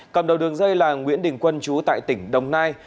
cầm đầu đường dây là nguyễn đình quân chú tại tỉnh đồng nai